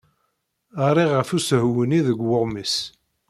Ɣriɣ ɣef usehwu-nni deg weɣmis.